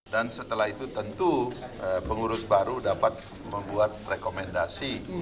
dan setelah itu tentu pengurus baru dapat membuat rekomendasi